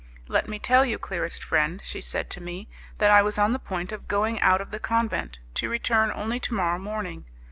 'Let me tell you, dearest friend,' she said to me, 'that I was on the point of going out of the convent, to return only tomorrow morning.